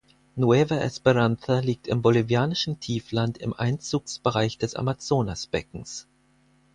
Nueva Esperanza liegt im bolivianischen Tiefland im Einzugsbereich des Amazonasbeckens.